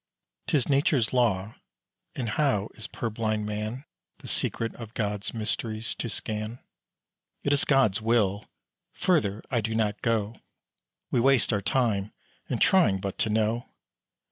'Tis Nature's law; and how is purblind man The secret of Gods mysteries to scan? It is God's will; further I do not go: We waste our time in trying but to know.